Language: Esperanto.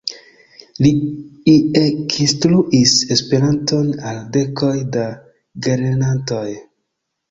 Li ekinstruis Esperanton al dekoj da gelernantoj.